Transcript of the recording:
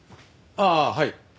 ああはい。